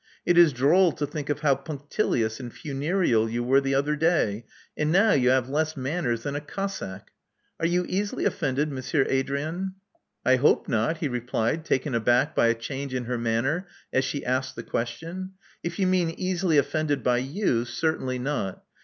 It is droll to think of how punctilious and funereal you were the other day; and now you have less manners than a Cossack. Are you easily offended. Monsieur Adrian?" I hope not," he replied, taken aback by a change in her manner as she asked the question. ••If you mean easily offended by you, certainly not.